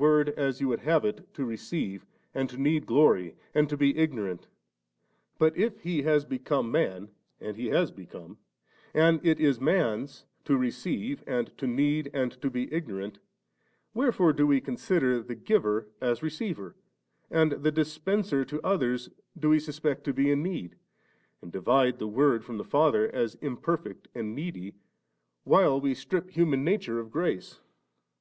ord, as you would have it, to receive, and to need glory, and to be ignorant ; but if He has become man (and He has become), and it is man's to receive, and to need, and to be ignorant, wherefore do we consider the Giver as receiver, and the Dispenser to others do we suspect to be in need, and divide the Word from the Father as imperfect and needy, while we •trip human nature of grace